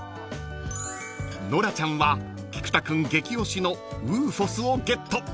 ［ノラちゃんは菊田君激推しのＯＯＦＯＳをゲット］